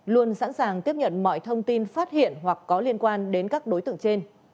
luôn sẵn sàng tiếp nhận mọi thông tin phát hiện hoặc có liên quan đến các đối tượng trên